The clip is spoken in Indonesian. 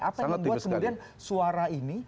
apa yang membuat kemudian suara ini